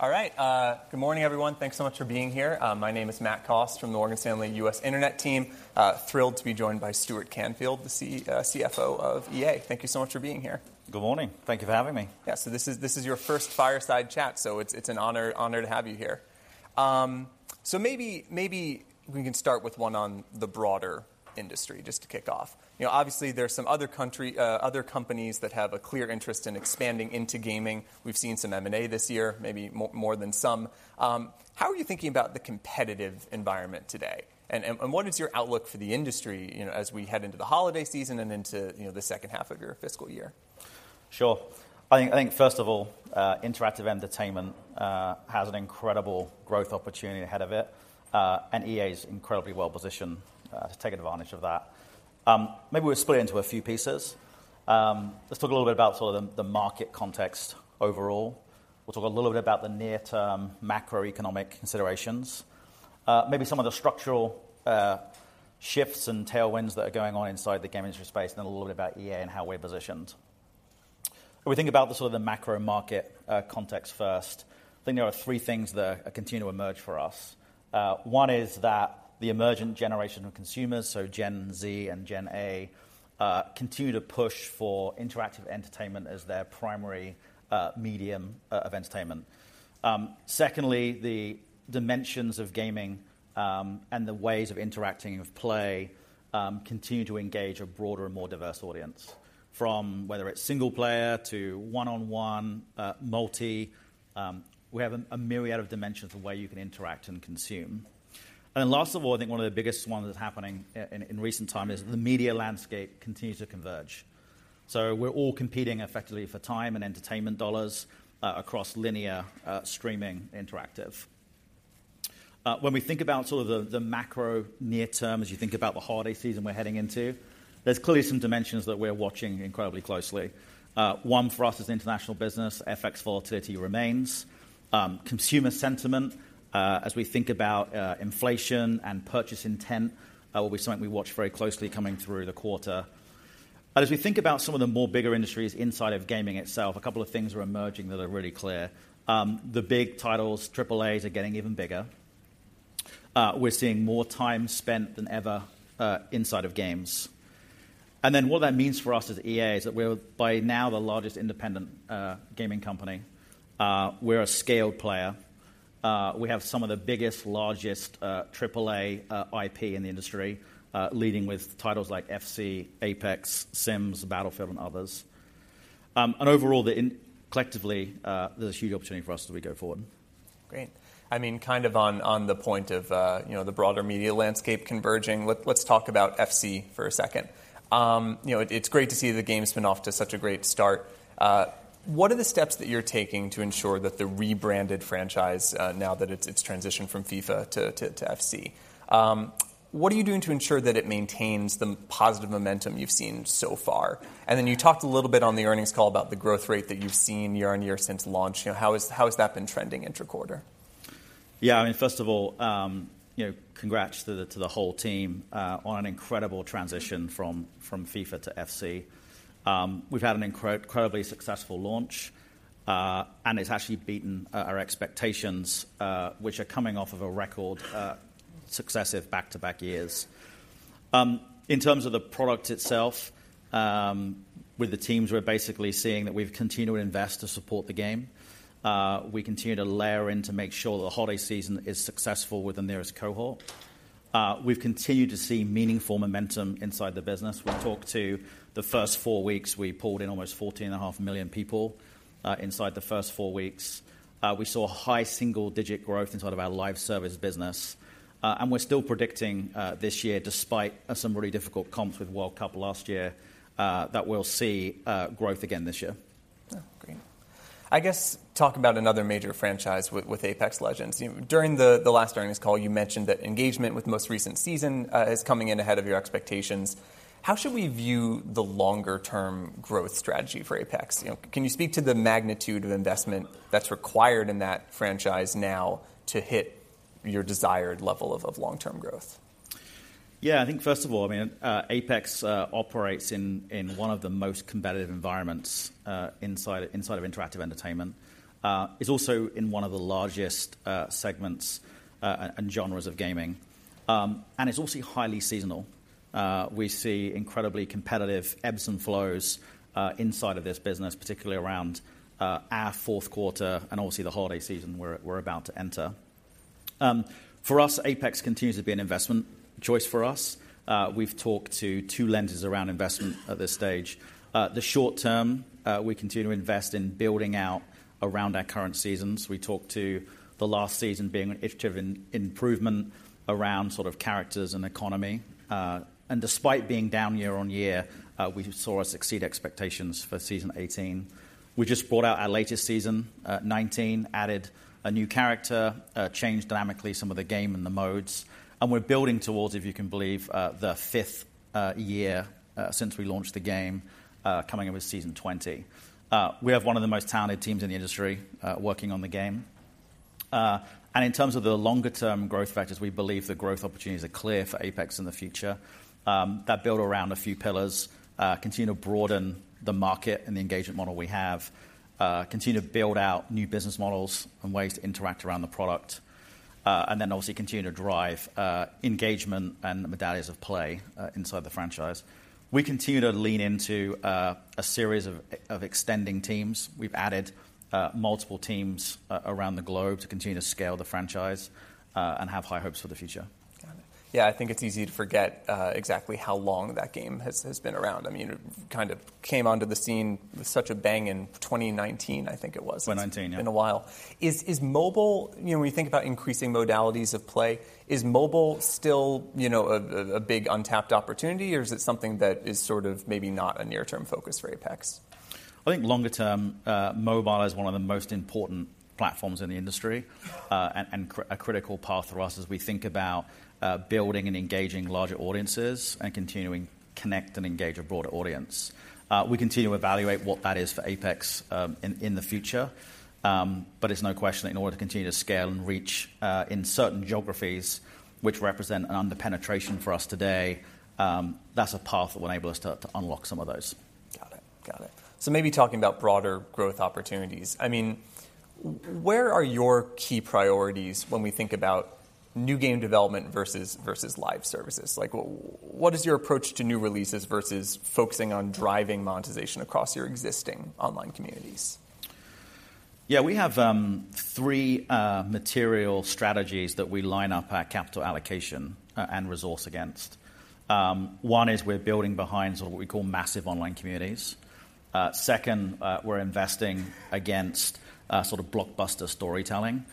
All right. Good morning, everyone. Thanks so much for being here. My name is Matthew Cost from the Morgan Stanley U.S. Internet Team. Thrilled to be joined by Stuart Canfield, the CFO of EA. Thank you so much for being here. Good morning. Thank you for having me. Yeah. So this is your first fireside chat, so it's an honor to have you here. So maybe we can start with one on the broader industry, just to kick off. You know, obviously there are some other companies that have a clear interest in expanding into gaming. We've seen some M&A this year, maybe more than some. How are you thinking about the competitive environment today? And what is your outlook for the industry, you know, as we head into the holiday season and into the second half of your fiscal year? Sure. I think, I think, first of all, interactive entertainment has an incredible growth opportunity ahead of it, and EA is incredibly well positioned to take advantage of that. Maybe we'll split it into a few pieces. Let's talk a little bit about sort of the market context overall. We'll talk a little bit about the near-term macroeconomic considerations, maybe some of the structural shifts and tailwinds that are going on inside the gaming industry space, and then a little bit about EA and how we're positioned. If we think about the sort of macro market context first, I think there are three things that continue to emerge for us. One is that the emergent generation of consumers, so Gen Z and Gen A, continue to push for interactive entertainment as their primary, medium, of entertainment. Secondly, the dimensions of gaming, and the ways of interacting with play, continue to engage a broader and more diverse audience. From whether it's single player to one-on-one, multi, we have a, a myriad of dimensions of where you can interact and consume. And then last of all, I think one of the biggest ones that's happening in recent time is the media landscape continues to converge. So we're all competing effectively for time and entertainment dollars, across linear, streaming interactive. When we think about sort of the, the macro near term, as you think about the holiday season we're heading into, there's clearly some dimensions that we're watching incredibly closely. One for us is international business. FX volatility remains. Consumer sentiment, as we think about inflation and purchase intent, will be something we watch very closely coming through the quarter. As we think about some of the more bigger industries inside of gaming itself, a couple of things are emerging that are really clear. The big titles, AAAs, are getting even bigger. We're seeing more time spent than ever inside of games. And then what that means for us as EA is that we're by now the largest independent gaming company. We're a scaled player. We have some of the biggest, largest AAA IP in the industry, leading with titles like FC, Apex, Sims, Battlefield, and others. And overall, collectively, there's a huge opportunity for us as we go forward. Great. I mean, kind of on, on the point of, you know, the broader media landscape converging, let's, let's talk about FC for a second. You know, it's great to see the game spin off to such a great start. What are the steps that you're taking to ensure that the rebranded franchise, now that it's, it's transitioned from FIFA to, to, to FC, what are you doing to ensure that it maintains the positive momentum you've seen so far? And then you talked a little bit on the earnings call about the growth rate that you've seen year-on-year since launch. You know, how is, how has that been trending inter-quarter? Yeah, I mean, first of all, you know, congrats to the whole team on an incredible transition from FIFA to FC. We've had an incredibly successful launch, and it's actually beaten our expectations, which we're coming off of a record successive back-to-back years. In terms of the product itself, with the teams, we're basically seeing that we've continued to invest to support the game. We continue to layer in to make sure the holiday season is successful with the newest cohort. We've continued to see meaningful momentum inside the business. We've talked about the first four weeks; we pulled in almost 14.5 million people inside the first four weeks. We saw high single-digit growth inside of our Live Services business. We're still predicting this year, despite some really difficult comps with World Cup last year, that we'll see growth again this year. Oh, great. I guess, talk about another major franchise with Apex Legends. During the last earnings call, you mentioned that engagement with the most recent season is coming in ahead of your expectations. How should we view the longer-term growth strategy for Apex? You know, can you speak to the magnitude of investment that's required in that franchise now to hit your desired level of long-term growth? Yeah, I think first of all, I mean, Apex operates in one of the most competitive environments inside of interactive entertainment. It's also in one of the largest segments and genres of gaming. And it's also highly seasonal. We see incredibly competitive ebbs and flows inside of this business, particularly around our fourth quarter and obviously the holiday season we're about to enter. For us, Apex continues to be an investment choice for us. We've talked to two lenses around investment at this stage. The short term, we continue to invest in building out around our current seasons. We talked to the last season being an AI-driven improvement around sort of characters and economy. And despite being down year-over-year, we saw us exceed expectations for Season 18. We just brought out our latest Season 19, added a new character, changed dynamically some of the game and the modes, and we're building towards, if you can believe, the 5th year since we launched the game, coming up with Season 20. We have one of the most talented teams in the industry working on the game, and in terms of the longer-term growth factors, we believe the growth opportunities are clear for Apex in the future. That build around a few pillars, continue to broaden the market and the engagement model we have, continue to build out new business models and ways to interact around the product, and then obviously continue to drive engagement and modalities of play inside the franchise. We continue to lean into a series of extending teams. We've added multiple teams around the globe to continue to scale the franchise, and have high hopes for the future. Got it. Yeah, I think it's easy to forget exactly how long that game has been around. I mean, it kind of came onto the scene with such a bang in 2019, I think it was. 2019, yeah. It's been a while. Is mobile, you know, when we think about increasing modalities of play, is mobile still, you know, a big untapped opportunity, or is it something that is sort of maybe not a near-term focus for Apex? I think longer term, mobile is one of the most important platforms in the industry, and a critical path for us as we think about building and engaging larger audiences and continuing to connect and engage a broader audience. We continue to evaluate what that is for Apex, in the future. But there's no question that in order to continue to scale and reach, in certain geographies, which represent an under-penetration for us today, that's a path that will enable us to unlock some of those. Got it. Got it. So maybe talking about broader growth opportunities, I mean, where are your key priorities when we think about new game development versus, versus Live Services? Like, what, what is your approach to new releases versus focusing on driving monetization across your existing online communities? Yeah, we have three material strategies that we line up our capital allocation and resource against. One is we're building behind sort of what we call Massive Online Communities. Second, we're investing against sort of Blockbuster Storytelling.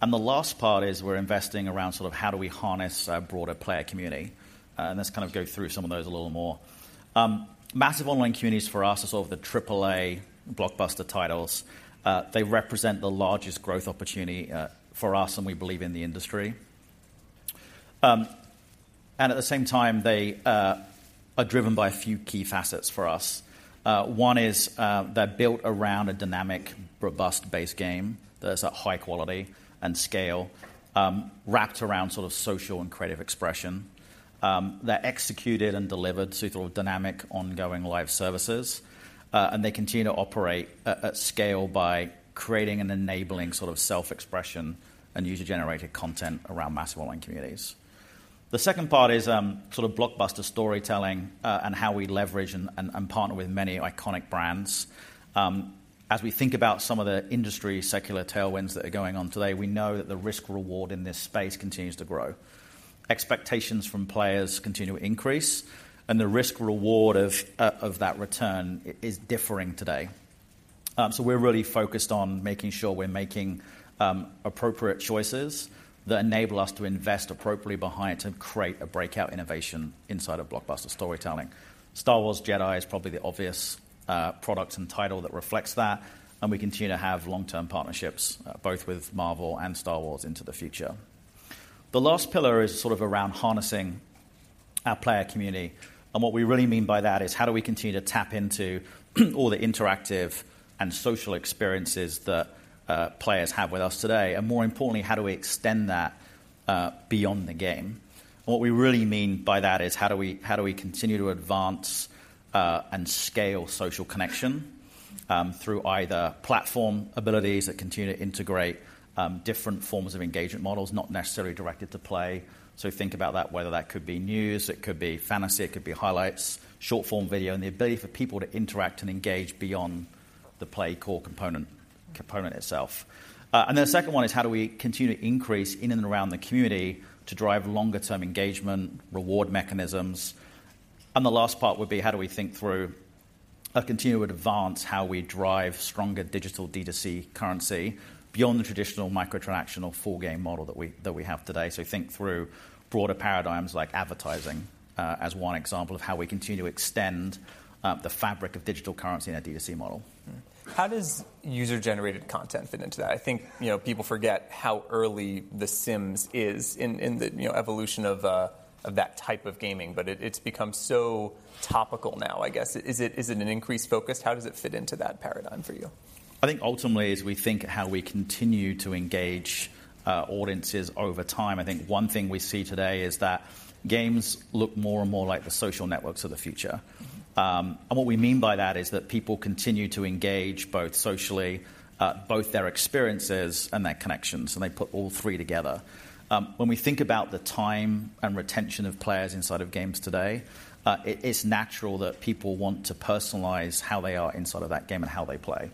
And the last part is we're investing around sort of how do we harness a broader player community, and let's kind of go through some of those a little more. Massive Online Communities for us are sort of the AAA blockbuster titles. They represent the largest growth opportunity for us and we believe in the industry. And at the same time, they are driven by a few key facets for us. One is they're built around a dynamic, robust base game that is at high quality and scale, wrapped around sort of social and creative expression. They're executed and delivered through sort of dynamic, ongoing Live Services, and they continue to operate at scale by creating and enabling sort of self-expression and User-Generated Content around Massive Online Communities. The second part is sort of Blockbuster Storytelling, and how we leverage and partner with many iconic brands. As we think about some of the industry secular tailwinds that are going on today, we know that the risk-reward in this space continues to grow. Expectations from players continue to increase, and the risk-reward of that return is differing today. So we're really focused on making sure we're making appropriate choices that enable us to invest appropriately behind to create a breakout innovation inside of Blockbuster Storytelling. Star Wars Jedi is probably the obvious, product and title that reflects that, and we continue to have long-term partnerships, both with Marvel and Star Wars into the future. The last pillar is sort of around harnessing our player community, and what we really mean by that is how do we continue to tap into all the interactive and social experiences that, players have with us today? And more importantly, how do we extend that, beyond the game? What we really mean by that is how do we, how do we continue to advance, and scale social connection, through either platform abilities that continue to integrate, different forms of engagement models, not necessarily directed to play. So think about that, whether that could be news, it could be fantasy, it could be highlights, short-form video, and the ability for people to interact and engage beyond the play core component itself. And then the second one is how do we continue to increase in and around the community to drive longer-term engagement, reward mechanisms? And the last part would be, how do we think through a continued advance, how we drive stronger digital D2C currency beyond the traditional microtransactional full game model that we have today? So think through broader paradigms like advertising, as one example of how we continue to extend the fabric of digital currency in our D2C model. How does user-generated content fit into that? I think, you know, people forget how early The Sims is in the, you know, evolution of that type of gaming, but it, it's become so topical now, I guess. Is it, is it an increased focus? How does it fit into that paradigm for you? I think ultimately, as we think how we continue to engage audiences over time, I think one thing we see today is that games look more and more like the social networks of the future. What we mean by that is that people continue to engage both socially, both their experiences and their connections, and they put all three together. When we think about the time and retention of players inside of games today, it's natural that people want to personalize how they are inside of that game and how they play.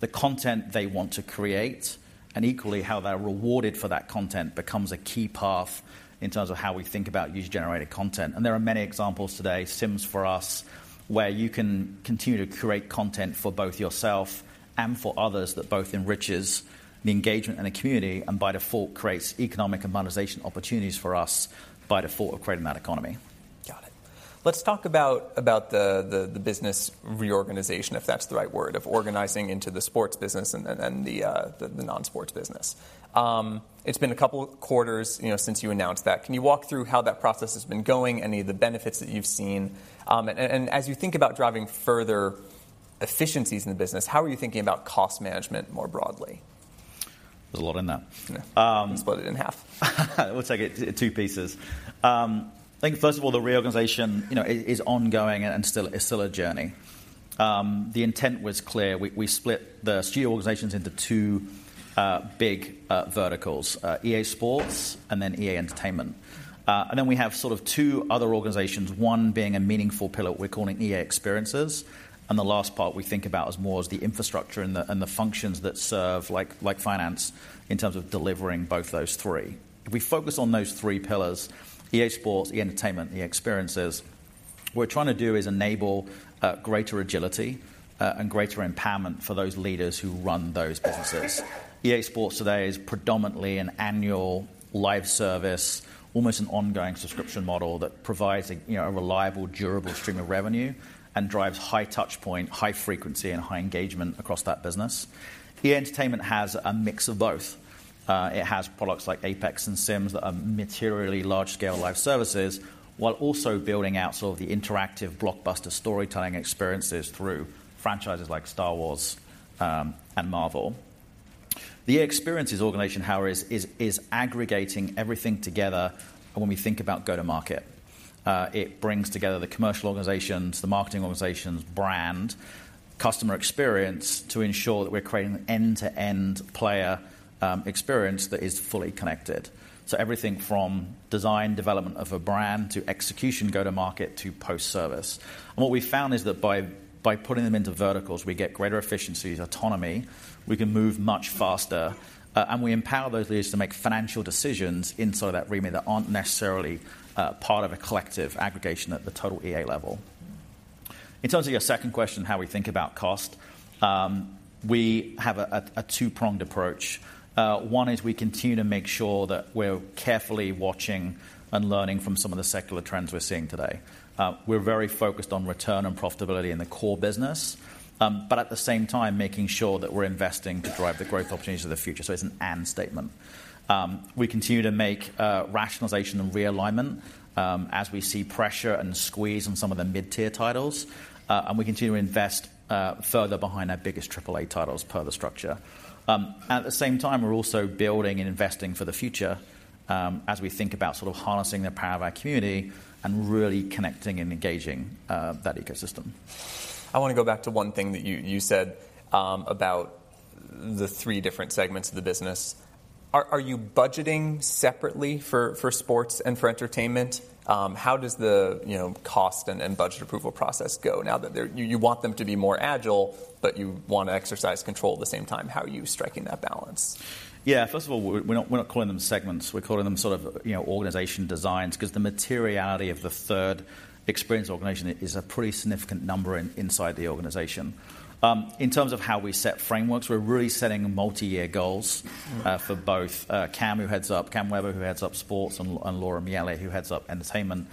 The content they want to create, and equally, how they're rewarded for that content becomes a key path in terms of how we think about user-generated content. There are many examples today, Sims for us, where you can continue to create content for both yourself and for others that both enriches the engagement in a community and, by default, creates economic and monetization opportunities for us, by default, of creating that economy. Got it. Let's talk about the business reorganization, if that's the right word, of organizing into the sports business and then, and the non-sports business. It's been a couple of quarters, you know, since you announced that. Can you walk through how that process has been going, any of the benefits that you've seen? And, and as you think about driving further efficiencies in the business, how are you thinking about cost management more broadly? There's a lot in that. Split it in half. We'll take it two pieces. I think first of all, the reorganization, you know, is ongoing and still a journey. The intent was clear. We split the studio organizations into two big verticals, EA Sports and then EA Entertainment. And then we have sort of two other organizations, one being a meaningful pillar we're calling EA Experiences, and the last part we think about as more as the infrastructure and the functions that serve like finance, in terms of delivering both those three. We focus on those three pillars: EA Sports, EA Entertainment, EA Experiences. What we're trying to do is enable greater agility and greater empowerment for those leaders who run those businesses. EA Sports today is predominantly an annual live service, almost an ongoing subscription model that provides a, you know, a reliable, durable stream of revenue and drives high touch point, high frequency, and high engagement across that business. EA Entertainment has a mix of both. It has products like Apex and Sims that are materially large-scale live services, while also building out sort of the interactive Blockbuster Storytelling experiences through franchises like Star Wars, and Marvel. The experiences organization, however, is aggregating everything together when we think about go-to-market. It brings together the commercial organizations, the marketing organizations, brand, customer experience, to ensure that we're creating an end-to-end player experience that is fully connected. So everything from design, development of a brand to execution, go-to-market, to post-service. What we found is that by putting them into verticals, we get greater efficiencies, autonomy, we can move much faster, and we empower those leaders to make financial decisions inside of that remit that aren't necessarily part of a collective aggregation at the total EA level. In terms of your second question, how we think about cost, we have a two-pronged approach. One is we continue to make sure that we're carefully watching and learning from some of the secular trends we're seeing today. We're very focused on return on profitability in the core business, but at the same time making sure that we're investing to drive the growth opportunities of the future. It's an and statement. We continue to make rationalization and realignment, as we see pressure and squeeze on some of the mid-tier titles, and we continue to invest further behind our biggest triple-A titles per the structure. At the same time, we're also building and investing for the future, as we think about sort of harnessing the power of our community and really connecting and engaging that ecosystem. I want to go back to one thing that you said about the three different segments of the business. Are you budgeting separately for Sports and for Entertainment? How does the, you know, cost and budget approval process go now that they're, you want them to be more agile, but you want to exercise control at the same time. How are you striking that balance? Yeah. First of all, we're not, we're not calling them segments. We're calling them sort of, you know, organization designs, 'cause the materiality of the third experience organization is a pretty significant number inside the organization. In terms of how we set frameworks, we're really setting multi-year goals- Mm-hmm. For both, Cam Weber, who heads up sports, and Laura Miele, who heads up entertainment.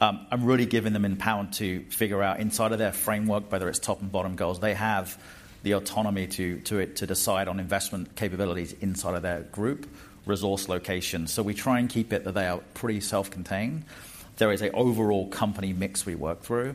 I'm really giving them empowerment to figure out inside of their framework, whether it's top and bottom goals, they have the autonomy to decide on investment capabilities inside of their group, resource location. So we try and keep it that they are pretty self-contained. There is an overall company mix we work through,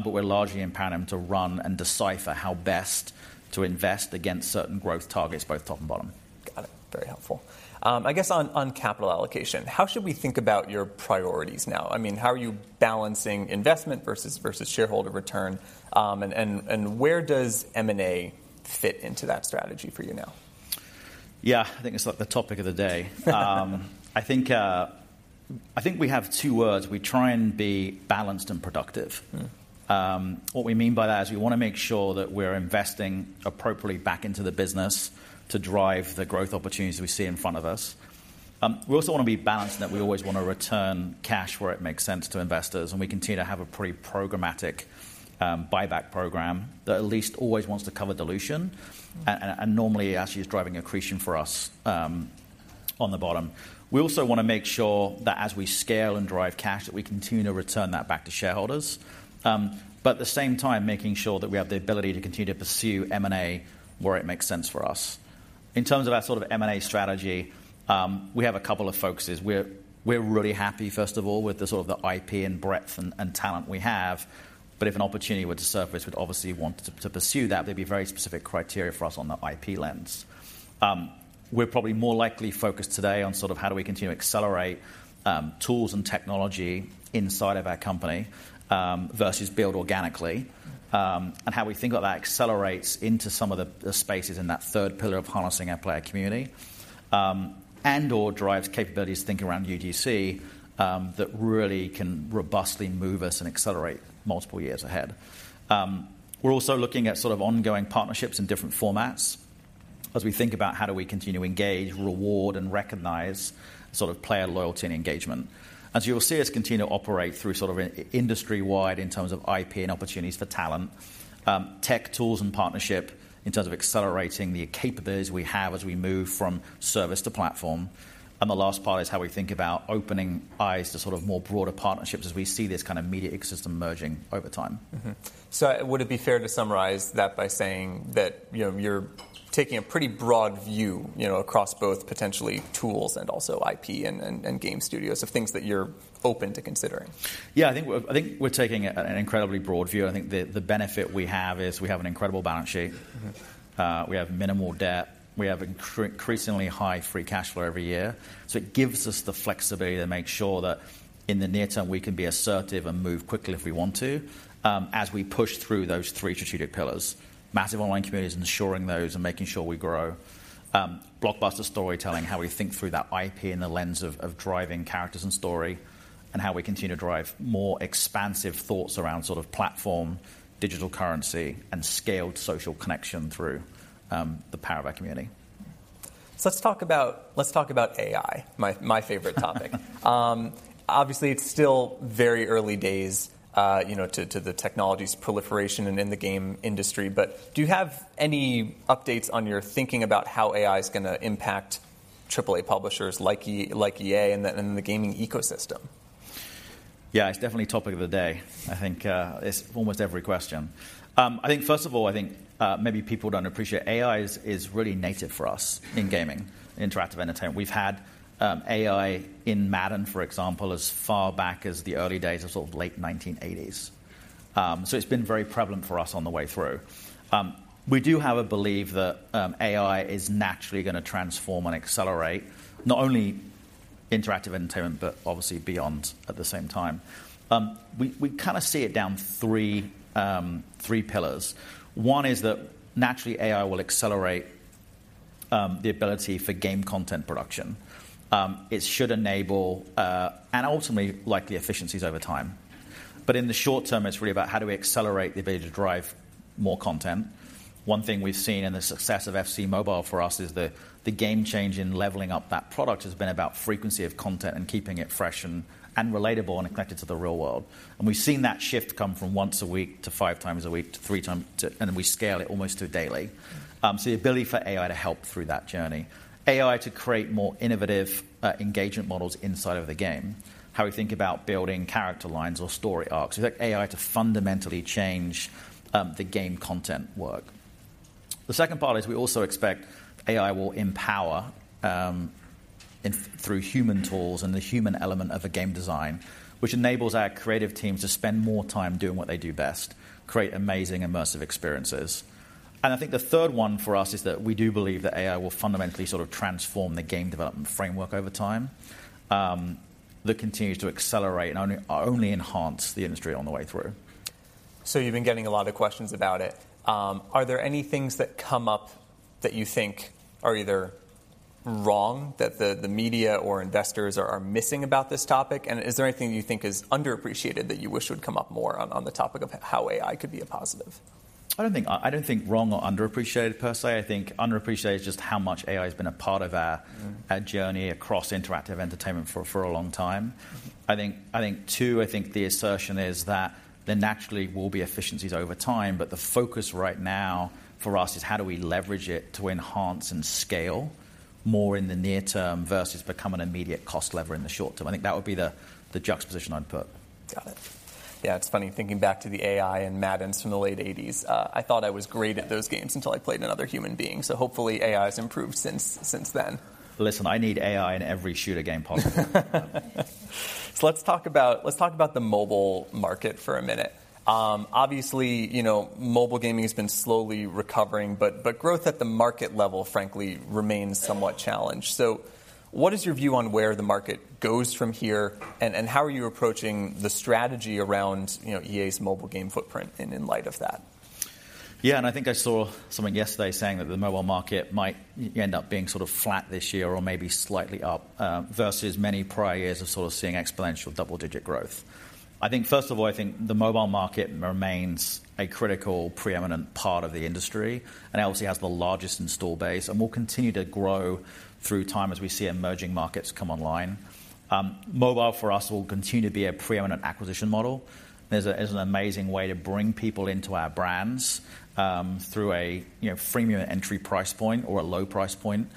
but we're largely empowering them to run and decipher how best to invest against certain growth targets, both top and bottom. Got it. Very helpful. I guess on capital allocation, how should we think about your priorities now? I mean, how are you balancing investment versus shareholder return? And where does M&A fit into that strategy for you now? Yeah, I think it's like the topic of the day. I think we have two words. We try and be balanced and productive. Mm-hmm. What we mean by that is we want to make sure that we're investing appropriately back into the business to drive the growth opportunities we see in front of us. We also want to be balanced, in that we always want to return cash where it makes sense to investors, and we continue to have a pretty programmatic buyback program that at least always wants to cover dilution, and normally actually is driving accretion for us on the bottom. We also want to make sure that as we scale and drive cash, that we continue to return that back to shareholders, but at the same time, making sure that we have the ability to continue to pursue M&A where it makes sense for us. In terms of our sort of M&A strategy, we have a couple of focuses. We're really happy, first of all, with the sort of the IP and breadth and talent we have, but if an opportunity were to surface, we'd obviously want to pursue that. There'd be very specific criteria for us on the IP lens. We're probably more likely focused today on sort of how do we continue to accelerate tools and technology inside of our company versus build organically, and how we think that accelerates into some of the spaces in that third pillar of harnessing our player community, and/or drives capabilities to think around UGC, that really can robustly move us and accelerate multiple years ahead. We're also looking at sort of ongoing partnerships in different formats as we think about how do we continue to engage, reward, and recognize sort of player loyalty and engagement. So you will see us continue to operate through sort of industry-wide in terms of IP and opportunities for talent, tech tools and partnership in terms of accelerating the capabilities we have as we move from service to platform. The last part is how we think about opening eyes to sort of more broader partnerships as we see this kind of media ecosystem merging over time. Mm-hmm. So would it be fair to summarize that by saying that, you know, you're taking a pretty broad view, you know, across both potentially tools and also IP and, and, and game studios of things that you're open to considering? Yeah, I think we're taking an incredibly broad view. I think the benefit we have is we have an incredible balance sheet. Mm-hmm. We have minimal debt. We have increasingly high free cash flow every year. So it gives us the flexibility to make sure that in the near term, we can be assertive and move quickly if we want to, as we push through those three strategic pillars. Massive Online Communities and ensuring those and making sure we grow. Blockbuster Storytelling, how we think through that IP in the lens of, of driving characters and story, and how we continue to drive more expansive thoughts around sort of platform, digital currency, and scaled social connection through the power of our community. So let's talk about, let's talk about AI, my, my favorite topic. Obviously, it's still very early days, you know, to the technology's proliferation and in the game industry. But do you have any updates on your thinking about how AI is gonna impact AAA publishers like like EA and the gaming ecosystem? Yeah, it's definitely topic of the day. I think it's almost every question. I think first of all, I think maybe people don't appreciate AI is really native for us in gaming, interactive entertainment. We've had AI in Madden, for example, as far back as the early days of sort of late 1980s. So it's been very prevalent for us on the way through. We do have a belief that AI is naturally gonna transform and accelerate, not only interactive entertainment, but obviously beyond at the same time. We kinda see it down three pillars. One is that naturally, AI will accelerate the ability for game content production. It should enable and ultimately, likely efficiencies over time. But in the short term, it's really about how do we accelerate the ability to drive more content. One thing we've seen in the success of FC Mobile for us is the game change in leveling up that product has been about frequency of content and keeping it fresh and relatable and connected to the real world. And we've seen that shift come from once a week to five times a week, to three times to and we scale it almost to a daily. So the ability for AI to help through that journey. AI to create more innovative engagement models inside of the game, how we think about building character lines or story arcs. We expect AI to fundamentally change the game content work. The second part is we also expect AI will empower through human tools and the human element of a game design, which enables our creative teams to spend more time doing what they do best: create amazing immersive experiences. And I think the third one for us is that we do believe that AI will fundamentally sort of transform the game development framework over time, that continues to accelerate and only, only enhance the industry on the way through. So you've been getting a lot of questions about it. Are there any things that come up that you think are either wrong, that the media or investors are missing about this topic? And is there anything you think is underappreciated that you wish would come up more on the topic of how AI could be a positive? I don't think wrong or underappreciated per se. I think underappreciated is just how much AI has been a part of our- Mm ...our journey across interactive entertainment for a long time. I think the assertion is that there naturally will be efficiencies over time, but the focus right now for us is how do we leverage it to enhance and scale more in the near term versus become an immediate cost lever in the short term? I think that would be the juxtaposition I'd put. Got it. Yeah, it's funny thinking back to the AI and Maddens from the late 1980s. I thought I was great at those games until I played another human being, so hopefully AI has improved since then. Listen, I need AI in every shooter game possible. So let's talk about, let's talk about the mobile market for a minute. Obviously, you know, mobile gaming has been slowly recovering, but, but growth at the market level, frankly, remains somewhat challenged. So what is your view on where the market goes from here, and, and how are you approaching the strategy around, you know, EA's mobile game footprint in, in light of that? Yeah, and I think I saw something yesterday saying that the mobile market might end up being sort of flat this year or maybe slightly up, versus many prior years of sort of seeing exponential double-digit growth. I think, first of all, I think the mobile market remains a critical, preeminent part of the industry, and obviously has the largest install base and will continue to grow through time as we see emerging markets come online. Mobile, for us, will continue to be a preeminent acquisition model. It's an amazing way to bring people into our brands, through a, you know, freemium entry price point or a low price point,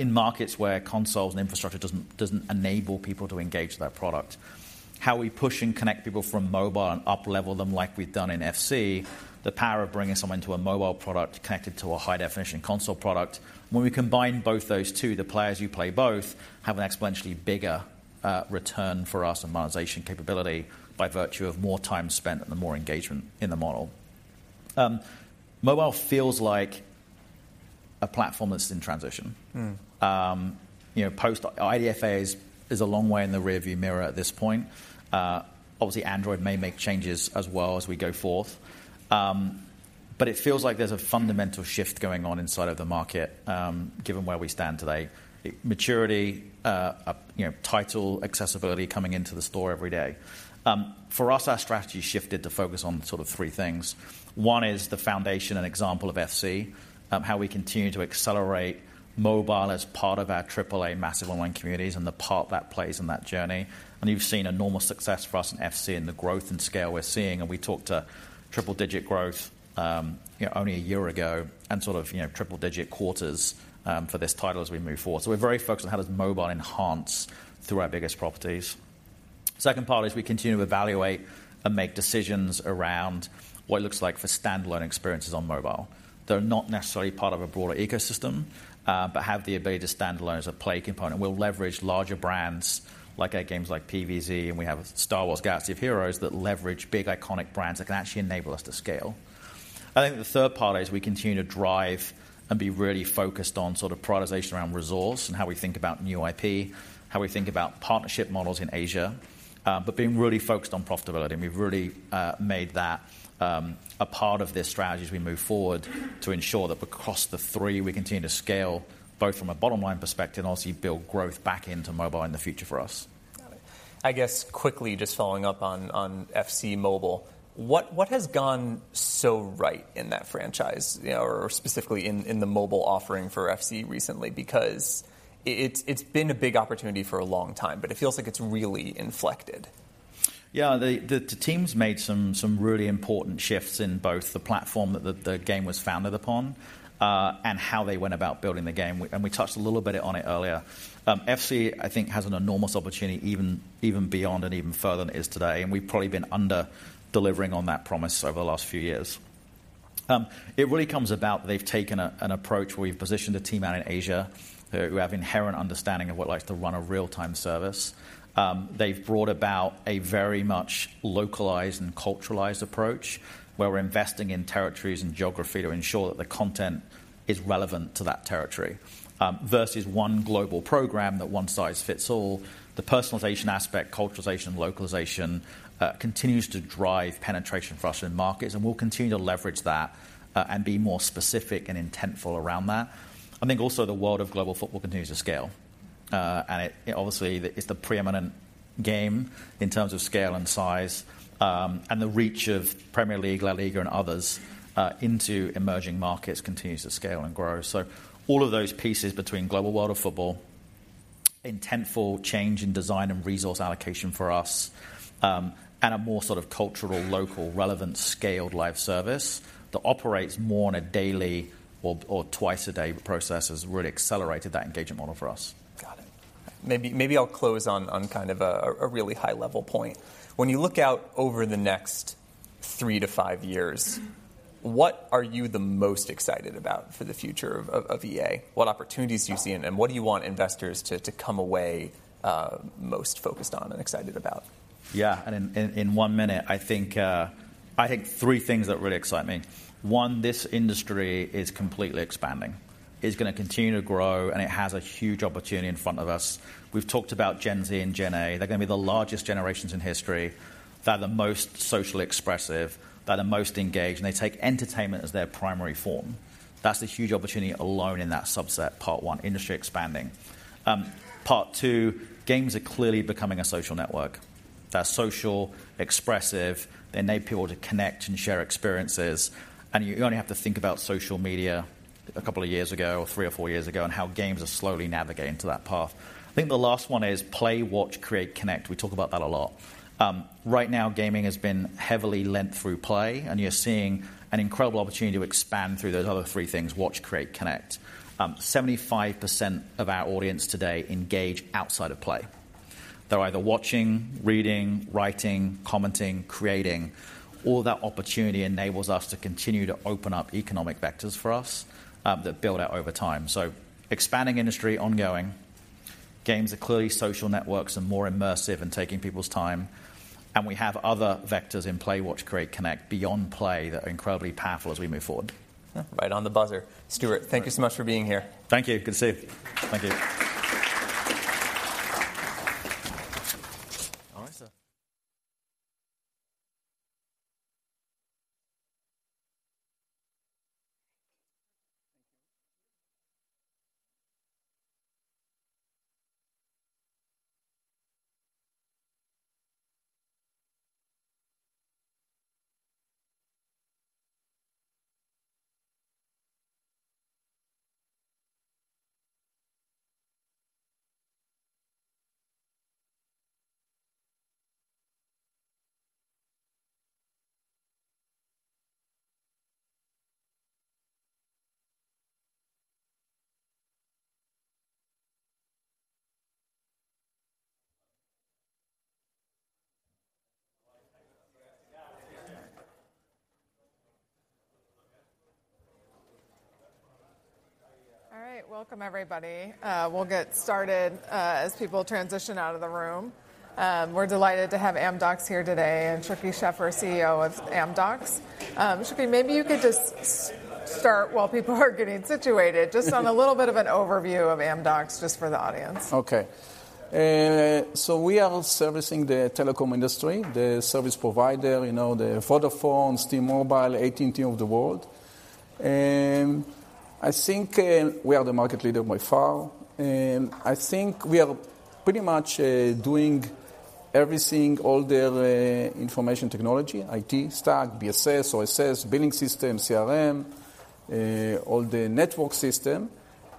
in markets where consoles and infrastructure doesn't enable people to engage that product. How we push and connect people from mobile and uplevel them like we've done in FC, the power of bringing someone to a mobile product connected to a high-definition console product. When we combine both those two, the players who play both have an exponentially bigger return for us and monetization capability by virtue of more time spent and the more engagement in the model. Mobile feels like a platform that's in transition. Mm. You know, post-IDFA is a long way in the rearview mirror at this point. Obviously, Android may make changes as well as we go forth. But it feels like there's a fundamental shift going on inside of the market, given where we stand today. Maturity, you know, title, accessibility coming into the store every day. For us, our strategy shifted to focus on sort of three things. One is the foundation and example of FC, how we continue to accelerate mobile as part of our AAA Massive Online Communities and the part that plays in that journey. And you've seen enormous success for us in FC and the growth and scale we're seeing, and we talked to triple-digit growth, you know, only a year ago, and sort of, you know, triple-digit quarters, for this title as we move forward. So we're very focused on how does mobile enhance through our biggest properties? Second part is we continue to evaluate and make decisions around what it looks like for standalone experiences on mobile. They're not necessarily part of a broader ecosystem, but have the ability to standalone as a play component. We'll leverage larger brands like our games like PvZ, and we have Star Wars: Galaxy of Heroes that leverage big, iconic brands that can actually enable us to scale. I think the third part is we continue to drive and be really focused on sort of prioritization around resource and how we think about new IP, how we think about partnership models in Asia, but being really focused on profitability. We've really made that a part of this strategy as we move forward to ensure that across the three, we continue to scale, both from a bottom-line perspective and obviously build growth back into mobile in the future for us. Got it. I guess, quickly, just following up on FC Mobile, what has gone so right in that franchise? You know, or specifically in the mobile offering for FC recently, because it's been a big opportunity for a long time, but it feels like it's really inflected. Yeah. The team's made some really important shifts in both the platform that the game was founded upon, and how they went about building the game. And we touched a little bit on it earlier. FC, I think, has an enormous opportunity, even beyond and even further than it is today, and we've probably been under-delivering on that promise over the last few years. It really comes about they've taken an approach where we've positioned a team out in Asia, who have inherent understanding of what it takes to run a real-time service. They've brought about a very much localized and culturalized approach, where we're investing in territories and geography to ensure that the content is relevant to that territory, versus one global program, that one size fits all. The personalization aspect, culturalization, localization, continues to drive penetration for us in markets, and we'll continue to leverage that, and be more specific and intentful around that. I think also the world of global football continues to scale. And it obviously, it's the preeminent game in terms of scale and size, and the reach of Premier League, La Liga, and others, into emerging markets continues to scale and grow. So all of those pieces between global world of football, intentful change in design and resource allocation for us, and a more sort of cultural, local, relevant, scaled live service that operates more on a daily or twice-a-day process, has really accelerated that engagement model for us. Got it. Maybe I'll close on kind of a really high-level point. When you look out over the next three to five years, what are you the most excited about for the future of EA? What opportunities do you see, and what do you want investors to come away most focused on and excited about? Yeah. In one minute, I think three things that really excite me. One, this industry is completely expanding. It's gonna continue to grow, and it has a huge opportunity in front of us. We've talked about Gen Z and Gen A. They're gonna be the largest generations in history. They're the most socially expressive. They're the most engaged, and they take entertainment as their primary form. That's a huge opportunity alone in that subset, part one, industry expanding. Part two, games are clearly becoming a social network. They're social, expressive. They enable people to connect and share experiences, and you only have to think about social media a couple of years ago, or three or four years ago, and how games are slowly navigating to that path. I think the last one is play, watch, create, connect. We talk about that a lot. Right now, gaming has been heavily lent through play, and you're seeing an incredible opportunity to expand through those other three things: watch, create, connect. Seventy-five percent of our audience today engage outside of play. They're either watching, reading, writing, commenting, creating. All that opportunity enables us to continue to open up economic vectors for us, that build out over time. So expanding industry, ongoing. Games are clearly social networks and more immersive and taking people's time, and we have other vectors in play, watch, create, connect beyond play that are incredibly powerful as we move forward. Right on the buzzer. Stuart, thank you so much for being here. Thank you. Good to see you. Thank you. All right. Welcome, everybody. We'll get started, as people transition out of the room. We're delighted to have Amdocs here today, and Shuky Sheffer, CEO of Amdocs. Shuky, maybe you could just start while people are getting situated, just on a little bit of an overview of Amdocs, just for the audience. Okay. So we are servicing the telecom industry, the service provider, you know, the Vodafone, T-Mobile, AT&T of the world. And I think, we are the market leader by far, and I think we are pretty much, doing everything, all the, information technology, IT, stack, BSS, OSS, billing system, CRM, all the network system.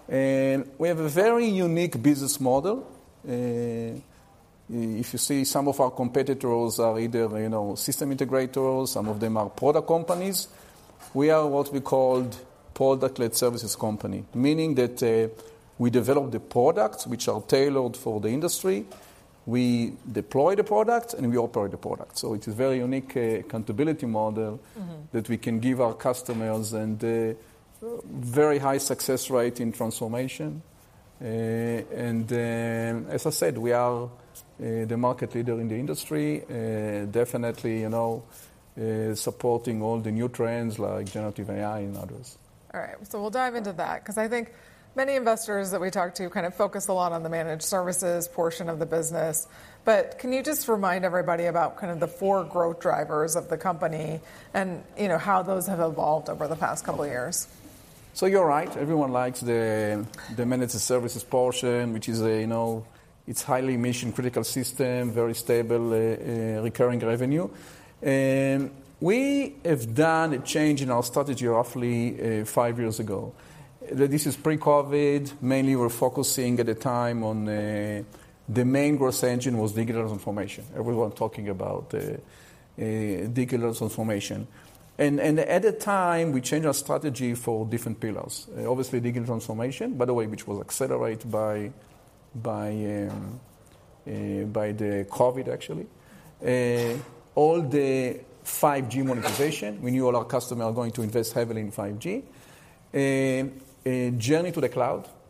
And we have a very unique business model. If you see, some of our competitors are either, you know, system integrators, some of them are product companies. We are what we called product-led services company, meaning that, we develop the products which are tailored for the industry, we deploy the product, and we operate the product. So it's a very unique, accountability model- Mm-hmm. -that we can give our customers, and a very high success rate in transformation. And then, as I said, we are the market leader in the industry, definitely, you know, supporting all the new trends like generative AI and others. All right, so we'll dive into that, 'cause I think many investors that we talk to kind of focus a lot on the managed services portion of the business. But can you just remind everybody about kind of the four growth drivers of the company and, you know, how those have evolved over the past couple of years? So you're right, everyone likes the managed services portion, which is a, you know—it's highly mission-critical system, very stable, recurring revenue. And we have done a change in our strategy roughly five years ago. This is pre-COVID. Mainly, we're focusing at the time on the main growth engine was digital transformation. Everyone talking about digital transformation. And at the time, we changed our strategy for different pillars. Obviously, digital transformation, by the way, which was accelerated by the COVID, actually. All the 5G monetization, we knew all our customers are going to invest heavily in 5G. Journey to the cloud-